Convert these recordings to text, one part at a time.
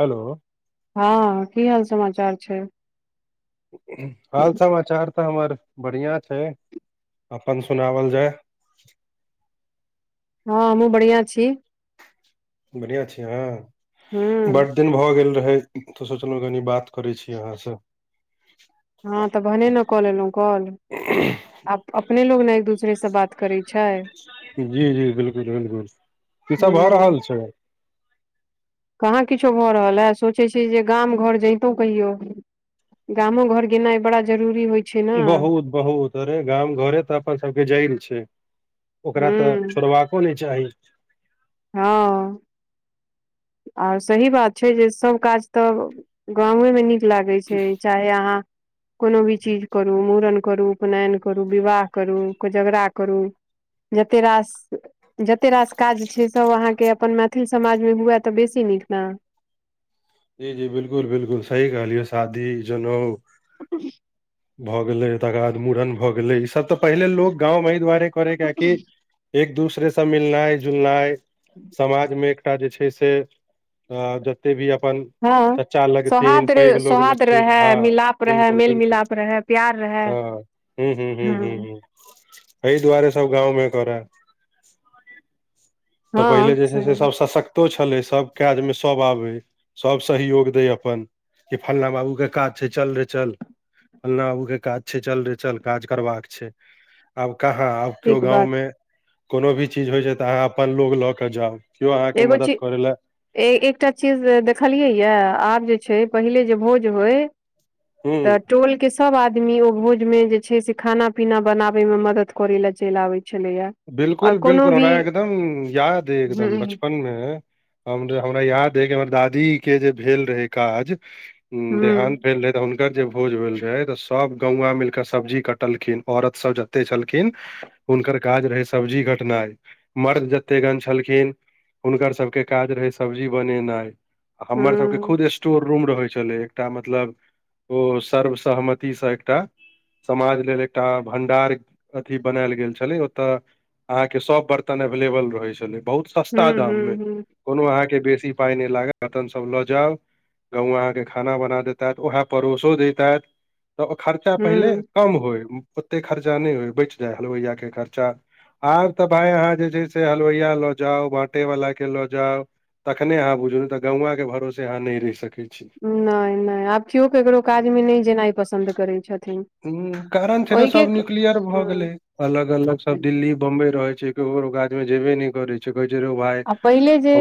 Hello. हँ की हाल समाचार छै? हाल समाचार तऽ हमर बढ़िया छै। अपन सुनावल जाय। हँ हमहु बढ़िआँ छी। बढ़िया छी अहाँ? हूँ बड दिन भ गेल रहै तऽ सोचलहुँ कनी बात करै छी अहाँसँ। हँ तऽ भने न कऽ लेलौं कॉल। [inaudible] अपने लोग न एक दूसरे से बात करै छै। जी जी बिलकुल बिलकुल, की सभ भऽ हूँ रहल छै? कहाँ किछो भऽ रहल ह, सोचै छी जे गाम घर जैतहु कहियौ। गामो घर गेनाइ बड़ा जरूरी होइ छै ने बहुत बहुत, अरे गाम घरे तऽ अपन सबके जइड़ छै। ओकरा तऽ, हूँ छोड़बाको नय चाही। हँ आओर सही बात छै जे सभ काज तऽ गामेमे नीक लागैत छै, चाहे अहाँ कोनो भी चीज करू, मुूड़न करू, उपनयन करू, विवाह करू, कोजगरा करू। जते रास, जते रास काज छै सभ अहाँके अपन मैथिल समाज मे हुए तऽ बेसी नीक न? जी जी, बिलकुल बिलकुल, सही कहलियै। सादी जनऊ [unintelligible] तऽ भऽ गेलै। तकर बाद मुूड़न भऽ गेलै, ईसभ तऽ पहिले लोक गाँंवमे अहि दुआरे करे कियाकि एक दूसरे स मिलनाइ जुलनाइ समाज मे एक जे छै से जते भी अपन हँ चच्चा लगथिन, सौहार्द पैघ लोग सौहार्द लगथिन, रहै हँ, मिलाप रहै बिलकुल मेल बिलकुल मिलाप रहै प्यार रहै हँ। हू हू हू हू हँ हू एहि दुआरे सब गाँवमे करै। तऽ पहिले हँ जे छै से सही सब सशक्त तो छलै सभ काजमे सभ आबै, सभ सहयोग दै अपन कि फल्लाँ बाबूके काज छै, चल रे चल। फलना बाबू के काज छै, चल रे चल काज करबाक छै। आब कहाँ आब केओ ठीक गाँव बात में कोनो भी चीज होइ छै तऽ अहाँ अपन लोग लऽ के जाउ। केओ अहाँके मदद करे लए ए एकटा चीज देखलियै यए? आब जे छै पहिले जे भोज होय हूँ तऽ [unintelligible] टोल के सब आदमी ओ भोज में जे छै से खाना पीना बनाबे मे मदद करे ल चलि आबे छले या। बिलकुल बिलकुल, हमरा एकदम याद ऐ, ह ह एकदम बचपन मे हम, हमरा याद अई कि हमर दादी के जे भेल रहे काज, देहांत भेल रहे तऽ हु नकर जे भोज भेल रहै तऽ सब गौआ मिलके सब्जी कटलखिन, औरत सब जते छलखिन हुनकर काज रहै सब्जी कटनाइ। मर्द जतेकगण छलखिन हुनकर सबके काज रहै सब्जी बनेनाइ आ ह हमर सबके खुद स्टोर रूम रहै छलै एकटा मतलब ओ सर्वसहमतिसँ एकटा समाज लेल एकटा भंडार अथी बनाल गेल छलै तऽ अहाँके सभ बर्तन एवेलेबल रहै छलै बहुत ह सस्ता ह दाममे। ह कोनो अहाँके बेसी पाय नहि लागत बर्तन सब लऽ जाउ। [unintelligible] अहाँके खाना बना देैतेत उह परोसो दैतेत। तऽ ओ खर्चा पहिले हुं कम होय ओते खर्चा नहि होय बच जाय हलवइया के खर्चा खर्चा आब तऽ भाय अहाँ जे छैय से हलवइया लऽ जाउ बाँटे वाला के लऽ जाउ। तखने अहाँ बुझू ने तऽ गौंवाके भरोसे अहाँ नहि रहि सकैत छी। नहि नहि आब केओ केकरो काजमे नहि जेनाइ पसन्द करैत छथि। ह कारण छैय ने सब न्यूक्लियर भऽ हुं गेलै। अलग-अलग सब दिल्ली बंबई रहे छैय क्यो ककरो काजमे जेबे नहि करेय। कहै छैय रौ भाइ आ पहिले जे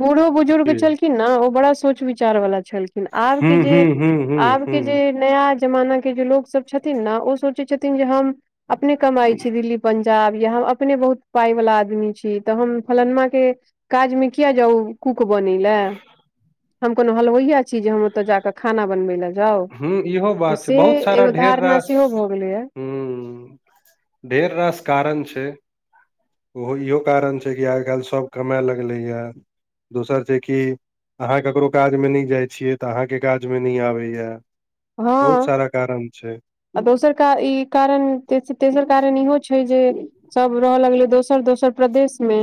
बूढ़ो बुजुर्ग छलखिन ने ओ बड़ा सोच विचार वाला छलखिन लेकिन हूं आबके जे, हूं हूं हूं हूं आबके जे नया जमाना के जे लोक सब छथिन ने ओ सोचै छथिन जे हम अपने कमाइ छी दिल्ली पंजाब या हम अपने बहुत पाय वाला आदमी छी तऽ हम फलानमा के काजमे किया जाउ कूक बनै लए। हम कोनो हलवइया छी जे हम ओते जाके खाना बनबे ल जाउ हूं इहो तऽ बात छै से एगो धारणा सेहो भऽ गेलैया। हू ढेर रास कारण छैय। ओहो इहो कारण छैय कि आइ काल्हि सभ कमाए लगलैए। दोसर जे की अहाँ केकरो काजमे नय जाय छियै तऽ अहाँके काजमे नय आबैया। बहुत हँ सारा कारण छैय। आ दोसर कार ई कारण तेसर कारण इहो छैय जे सब रहय लगलै दोसर, दोसर प्रदेशमे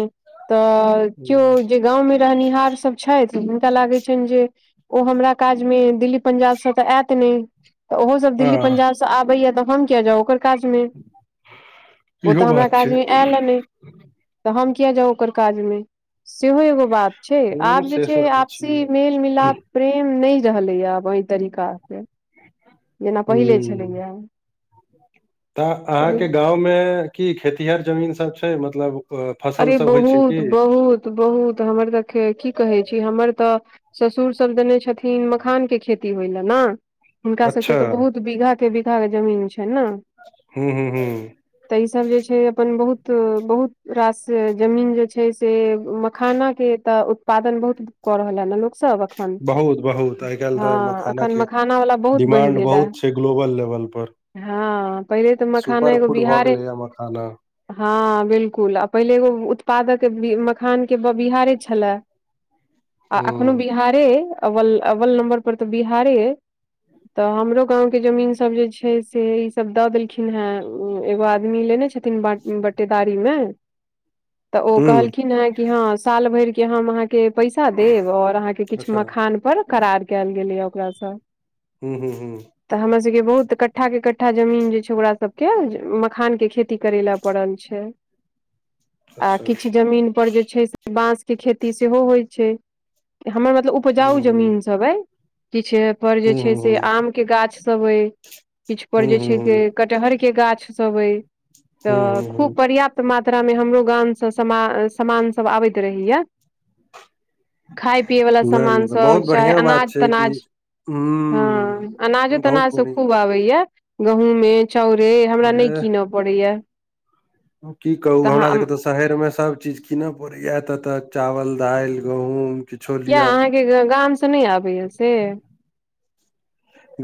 तऽ केओ जे गाँवमे रहनिहार सभ छथि हुनका लागैत छनि जे ओ हमरा काजमे दिल्ली पंजाब से तऽ आयत तऽ ओहो सब हँ दिल्ली पंजाब से आबैया तऽ हम किया जाउ ओकर कमे ओ इहो तऽ हमरा बात छै काजमे आयल नय तऽ हम किया जाउ ओकर काज मे सेहो एगो बात छैय हूं आब जे से छैय सब तऽ छियै आपसी मेल मिलाप प्रेम नय रहलैया आब एहि तरीका। से जेना पहिले ह छलैया तऽ पहिल अहाँके गाँव मे की खेतीहर जमीन सब छैय मतलब। अ, फसल अरे सब होइ छै की बहुत- बहुत- बहुत हमर सबके की कहै छी हमर तऽ ससुरसभ देने छथिन मखानके खेती होइ लए ने हुनका अच्छा सबके तऽ बहुत बीघा के बीघा के जमीन छैन ने। हू- हू- हू। तऽ ईसभ जे छैय अपन बहुत- बहुत रास जमीन जे छैय से मखानाके तऽ उत्पादन बहुत कऽ रहल हे ने लोक सब अखन, बहुत बहुत आइ काल्हि तऽ हँ मखाना अखन के मखाना वला बहुत बढ़ि डिमांड गेल ए। बहुत छै ग्लोबल लेवल पर हँ पहिले तऽ मखाना सुपर एगो फूड भऽ बिहारे गेलै या मखाना हँ बिलकुल आ पहिले एगो उत्पादक मखानके बिहारे छलए आ एखनो हूँ बिहारे अइ अवल अव्वल नम्बर पर तऽ बिहारे अइ तऽ हमरो गाँंवके जमीन सब जे छैय से ई सब द देलखिन हे एगो आदमी लेने छथिन तीन ब बटेदारी में तऽ ओ हूँ कहलखिन हेँ कि हँ साल भरिके हम अहां के पैसा देब और अहाँके किछु अच्छा हूँ मखान पर करार कयल गेलैये ओकरा से। हूँ हू हूँ। तऽ हमर सबके बहुत कट्ठाके कट्ठा जमीन जे छै ओकरा सभके मखानके खेती करय ले पड़ल छै। आ अच्छा किछु जमीन पर जे छै से बांस के खेती सेहो होइ छै, हमर मत मतलब उपजाउ हूँ जमीन सब अछि किछु पर जे हूँ छै से हूँ आम के गाछ सब अछि किछु पर हूँ जे हूँ छै से हूँ कटहर के गाछ सब अछि हूँ तऽ हूँ खूब हूँ पर्याप्त मात्रा मे हमरो गामसँ सम सामान सब आबैत रहैये। खाय पियैवला नहि नहि तऽ बहुत सामानसभ चाहे बढ़िआँ बात अनाज छै कि तनाज हँ अनाजो हूँ बहुत तनाजो सब खूब आबैए। गहूँमे चाउरे हमरा नहि बढ़िया कीनऽ पड़ैये। की कहब हमरा सबके तऽ शहरमे सबचीज कीनऽ पड़ैए ततऽ चावल दालि गहूँम किछो किया लिअ अहाँके गामसँ नहि आबैए से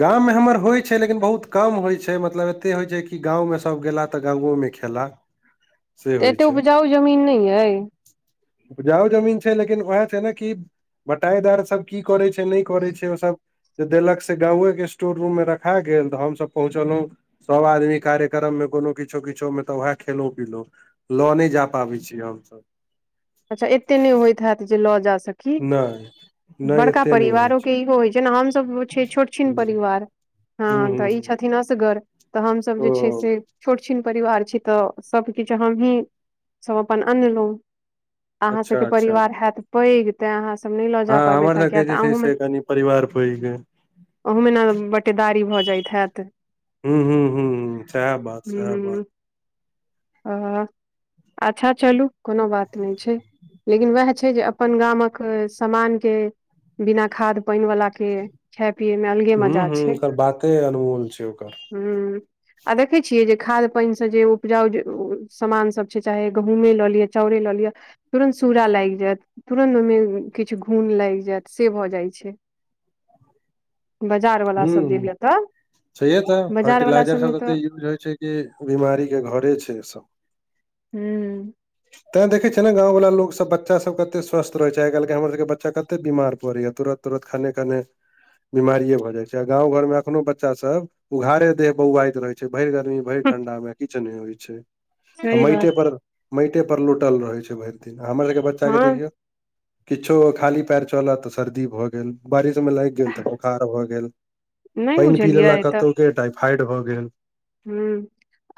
गाममे हमर होइत छै लेकिन बहुत कम होइत छै मतलब एतेक होइत छै कि गाममे सभ गेलाह तऽ गामोमे खेला। [inaudible] तऽ एते छै उपजाऊ जमीन नहि अछि। उपजाऊ जमीन छै, लेकिन वैह छै ने कि बटाईदार सब की करै छै, नहि करै छै ओ सब जे देलक गावके स्टोर रूम मे रखा गेल तऽ हमसब पहुँचलहुं सभ आदमी कार्यक्रममे कोनो किछो किछो मे तऽ वैह खेलौं-पिलौं। लऽ नहि जा पाबै छियै हम सभ‌। अच्छा एते नहि होइत हयैत जे लऽ जा सकी। नहि। नहि बड़का एते नहि होइ परिवारो के इहो होइ छै। जेना हमसभ छियै छोटछिन छै परिवार, हूं हाॅं हूं तऽ ई हूं छथिन असगर तऽ हमसभ ओ जे छै से छोट छिन परिवार छी तऽ सभकिछ हमही सभ अपन अनलहुँ। अहाँ सबके अच्छा अच्छा परिवार होइत पैघ तें अहाँ सब नहि लऽ हँ जा पाबै हमर तऽ सबके किया तऽ जे छै, अहूँमे से कनि परिवार पैघ अछि। ओहूमे ने बटेदारी भऽ जाइत हयैत। हूॅं हूॅं हूॅं सैह बात सैह बात। हाॅं। अच्छा चलू कोनो बात नहि छै, लेकिन वैह छै जे अपन गामक समान हुं बिना खाद पानि वला के खाय पियएमे अलगे हूॅं मजा हूॅं छै ओकर बाते अनमोल छै, ओकर। हूँ। आ देखैत छियै जे खाद पानि सँ जे उपजाऊ समानसभ छै, चाहे गहूँमे लऽ लिअ चाउरे लऽ लिअ तुरन्त सूड़ा लागि जायत तुरन्त ओहिमे किछु घून लागि जायत से भऽ जाइ छै। बाजार वला सब जे हूं लेताऽ छैहे तऽ फर्टिलाइजर सब एते यूज होइ छै कि बीमारी के घरे छै सब। हूॅं। तै देखै छिय ने गाँव वला लोकसभ बच्चासभ कतेक स्वस्थ रहै छैय, आइ काल्हिके हमरसभके बच्चा कतेक बीमार पड़ैए तुरत। तुरन्त खने-खने बीमारीेये भऽ जाय छैय, गाँंव घर में एखनो बच्चा सब उघारे देह बौआइत रहे जे भैर गर्मी भैर ठंडा मे किछ नै होइ छैय, आ सही माटे बात पर माटे पर लोटल रहै छैय भइर दिन हमर सबके बच्चा के हँ देखियो। किछो खाली पयैर चलत तऽ सर्दी भऽ गेल बारिशमे लागि गेल तऽ बुखार भऽ गेल नहि पइन पी बुझलियै लेलक कतो के टाइफाइड भऽ गेल। हूॅं।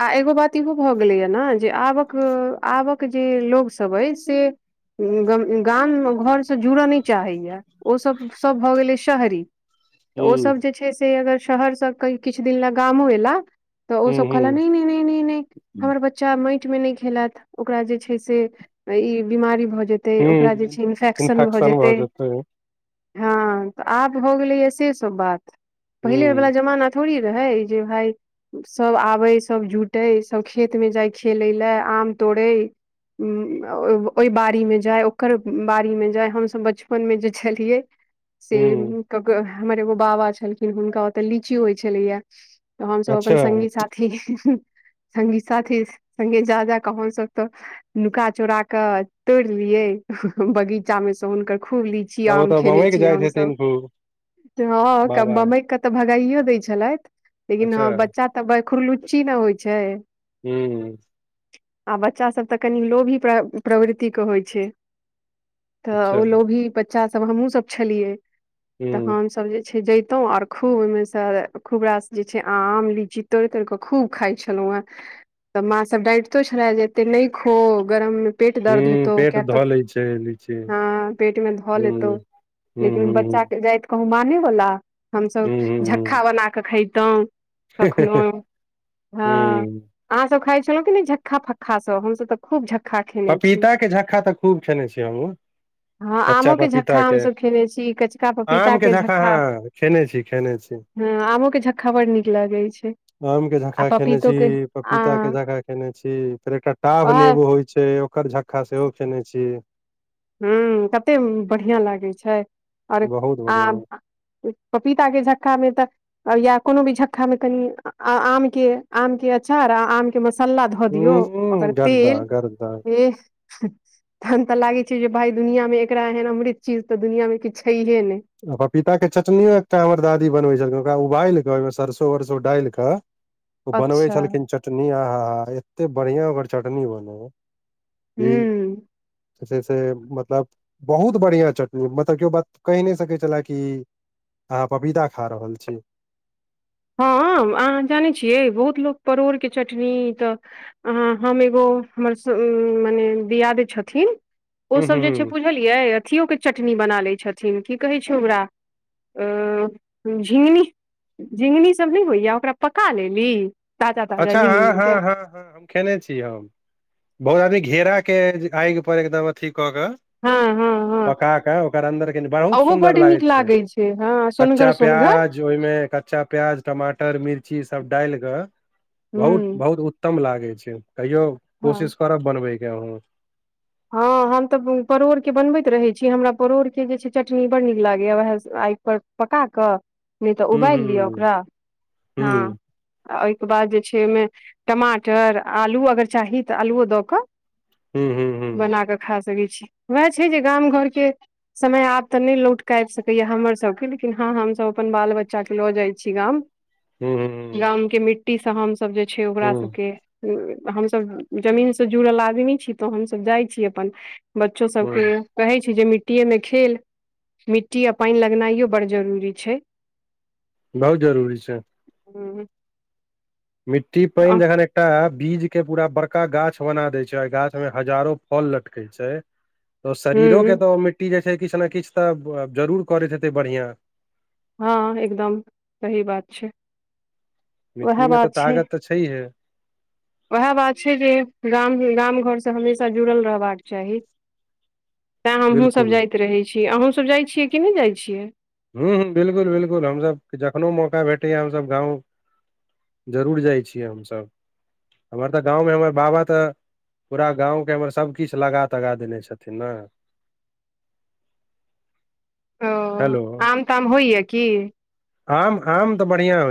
आ एगो बात इहो भऽ गेलेया ने जे आबक-आबक जे लोक सभ अइ से गाम मे घर से जुड़ऽ न चाहैया। ओसब सभ भऽ गेलै शहरी। तऽ ह्म ओसभ जे छैय से अगर शहरसभके किछ दिनके लए गामो अयला तऽ ओसभ कहलक ह्म नहि-नहि-नहि हमर बच्चा बच्चा माएट मे नहि खेलत ओकरा जे छैय से ई बीमारी भऽ जेत। तऽ ह्म ओकरा जे ह्म छैय, इन्फेक्शन भऽ जेते। जेतै हाॅं तऽ आब भऽ गेलैय से सब बात पहिले ह्म वला जमाना थोड़ी रहै जे भाय सभ आबय सभ जुटय सभ खेतमे जाइ खेलय लए आम तोड़य ओए बारीमे जाय, ओकर बारीमे जाय हमसभ बचपनमे जे छलियै से ह्म क-क हमर एगो बाबा छलखिन हुनका ओतेय लीची होइ छलैया तहन त अपन अच्छा संगी साथी संगी साथी संगे जा जा कऽ हमसभ तऽ नुका चोरा के तोड़ लिये बगीचा मे से हुनकर खुब ली ची तऽ ओ आम तऽ खेने बमकि छी जाइत सब हेथिन खूब हम बाबा सम। तऽ भगाइयो दै छलथि लेकिन अच्छा हँ बच्चा तऽ बर खुरलुच्ची ने होइ छैय। हू। आ बच्चा सब तऽ कनि लो भी प्रवृति के होइ छैय। तऽ अच्छा ओ लोभी बच्चा सभ हमहुसभ छलियै। ह्म तऽ हमसभ जे छैय जैतुं आर खूब ओहिमे से खूब रास जे छैय आम लीची तोड़ तोड़ कऽ खूब खाइ छलहुँ हेँ। तऽ माँ सब डाटितो छलए जे एते नहि खो गरम। पेट दर्द ह्म हेतौ पेट किया तऽ धऽ लै छै लीची हँ पेट मे धऽ लेतौ। ह्म ह्म लेकिन ह्म बच्चा के जाइत कहू माने वला हमसभ ह्म ह्म झक्खा बना कऽ खेैतों। ह्म कखनोहु हँ ह्म अहाँसभ खाइ छलहुँ क नहि झक्का फक्काँ हमसभ तऽ खूब झक्का खे पपीता के झक्खा तऽ खूब खेने छी हमुं। हँ आमोके झक्खा हमसभ खेने छी कचका आम के पपीताके झक्खा हँ खेने छी खेने छी हूँ आमो के झक्का बड नीक लग आम के झकका खेने छी आ पपीता के झकका खेने छी फेर एकटा टाभ ओएह नेबो छैय ओकर झक्का सेहो खेने छी। ह्म्म कतेक बढ़िआँ लागै छैय और बहुत बढ़िया आब पपीता के झक्का मे तऽ या कोनो भी झक्कामे कनि आम के आम के अचार आ आम के मसाला धऽ दियौ ओकर उंम्म गरदा तेल गरदा बेस तहन तऽ लागे छैय जे भाय दुनिया मे एकरा एहन अमृत चीज तऽ दुनिया मे किछु छैहे नै। आ पपीताक के चटनियो एकटा हमर दादी बनबै छलखिन ओकरा उबालि कऽ ओहिमे सरसो वरसो डालि कऽ ओ बनबै अच्छा छलखिन चटनी आहाहा एत्ते बढ़िआँ ओकर चटनी बनै। ई हूं। जे छै से मतलब बहुत बढ़िया चटनी मतलब की ओ बात कही नहि स सकै छलै कि अहाँ पपीता खा रहल छी। हँ अहाँ जानै छियै बहुत लोक परोड़के चटनी तऽ अ हम एगो हमर स मने दियादे छथिन ओ हूँ हूँ सब जे छै हूँ बूझ बुझलियै अथियोके चटनी बना लै छथिन की कहैत छै ओकरा अ झींगनी झिंगनी सब नहि होइया ओकरा पका लेली ताजा ताजा अच्छा हँ झिंगनी हँ के हँ हँ हम खेने छी हम बहुत आदमी घेरा के आगि पर एकदम अथी कऽ क हँ हँ हँ पका के ओकर अन्दर कनी बहुत ओहो सुन्दर बड्ड लागे नीक छै लागै हँ कच्चा सोनगर सोनगर प्याज ओहिमे कच्चा प्याज, टमाटर, मिर्ची सब डालि क हूँ बहुत बहुत उत्तम लागै छै कहियो हँ कोशिश करब बनबैके अहूँ। [inaudible] हँ हम तऽ परोड़के बनबैत रहैत छी हमरा परोड़के जे छै चटनी बड़ नीक लागैए उएह स आगि पर पकाकऽ नहि तऽ उबालि लिअ हूँ ओकरा, हँ। हूँ आ ओहिके बाद जे छै ओहिमे टमाटर, आलू अगर चाही तऽ आलूओ दऽ कऽ हूं हूं। बना कऽ खा सकै छी उएह छै जे गाम घरके समय आब तऽ नहि लौट कऽ आबि सकैए हमरसभके लेकिन हँ हमसभ अपन बाल बच्चाके लऽ जाइ छी गाम। हूँ हूँ हूँ गाम के मिट्टीस हमसभ जे छै ओकरा हूँ सबके हं हमसभ जमीनस जुड़ल आदमी छी तऽ हमसभ जाइ छी अपन बच्चो हूँ हूँ सबके कहै छी जे मिट्टीए मे खेल मिट्टी आ पानि लगनाइयो बड जरूरी छै। बहुत जरूरी छै। ऊं हूं मिट्टी पैन जखन एकटा बीज के पूरा बड़का गाछ बना देैय छैय आ गाछ में हजारो फल लटकेै छैय तऽ शरीरो ह के तऽ ओ मिट्टी जे छै किछ ने किछ तऽ जरूर करैत हेतै बढ़िया। हँ एकदम सही बात छैय। मिट्टी में तऽ ताकत तऽ छैहै। ओहे बात छै जे गाम- गाम घर से हमेशा जुड़ल रहबाक चाही। तें हमहूँ सब बिल्कुल जाइत रहै छी अहूँ सब जाइ छियै कि नैय जाय छियै? हूँ हूँ बिल्कुल -बिल्कुल हम सब जखनो मौका भेटैया हम सब गाँव जरूर जाय छियै हम सब हमर तऽ गाँव मे हमर बाबा तऽ पूरा गाँंव के हमर सब किछ लगा तगा देने छथिन ने। ओ हेलो आम ताम होय या की? आम -आम तऽ बढ़िया हो